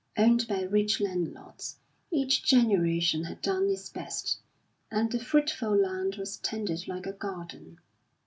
Owned by rich landlords, each generation had done its best, and the fruitful land was tended like a garden.